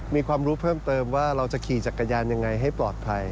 มีความรู้เพิ่มเติมว่าเราจะขี่จักรยานยังไงให้ปลอดภัย